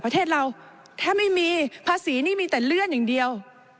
ประเทศเราถ้าไม่มีภาษีนี่มีแต่เลื่อนอย่างเดียว